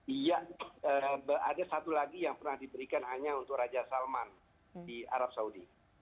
iya ada satu lagi yang pernah diberikan hanya untuk raja salman di arab saudi